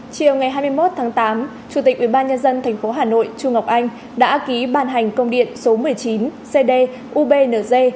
chiều ngày hai mươi một tháng tám chủ tịch ubnd tp hà nội chu ngọc anh đã ký bàn hành công điện số một mươi chín cd ubnz